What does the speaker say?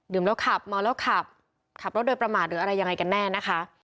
แล้วขับเมาแล้วขับขับรถโดยประมาทหรืออะไรยังไงกันแน่นะคะ